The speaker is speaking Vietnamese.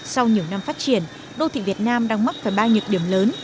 sau nhiều năm phát triển đô thị việt nam đang mắc phải ba nhược điểm lớn